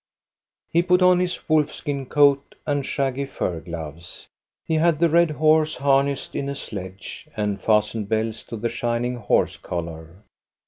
He put on his wolfskin coat and shaggy fur gloves. He had the red horse harnessed in a sledge, and fas tened bells to the shining horse collar.